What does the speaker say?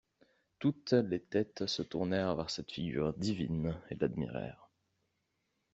Toutes les têtes se tournèrent vers cette figure divine et l'admirèrent.